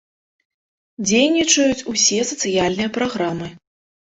Дзейнічаюць усе сацыяльныя праграмы.